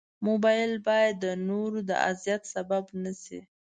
موبایل باید د نورو د اذیت سبب نه شي.